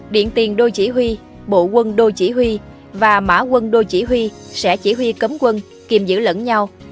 điện tiền đô chỉ huy bộ quân đô chỉ huy và mã quân đô chỉ huy sẽ chỉ huy cấm quân kiềm giữ lẫn nhau